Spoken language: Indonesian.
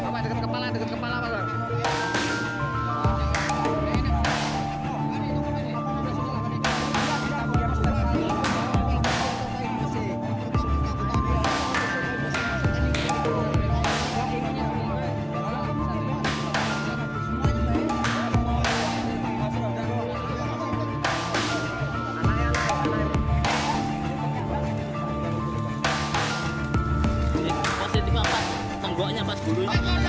bahwa seperti anak kenyataan